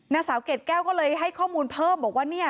นางสาวเกรดแก้วก็เลยให้ข้อมูลเพิ่มบอกว่าเนี่ย